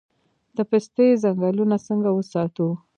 د پستې ځنګلونه څنګه وساتو؟